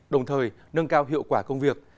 đồng thời nâng cao hiệu quả công việc